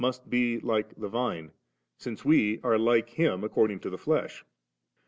389 must be like the vine, since we are like Him according to the flesh.